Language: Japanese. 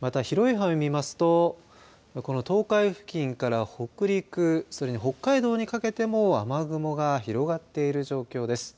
また、広い範囲を見ますとこの東海付近から北陸それに北海道にかけても雨雲が広がっている状況です。